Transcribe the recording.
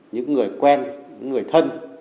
những người quen những người thân